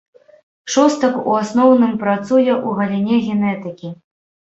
Шостак ў асноўным працуе ў галіне генетыкі.